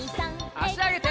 あしあげて。